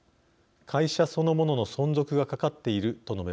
会社そのものの存続がかかっている」と述べました。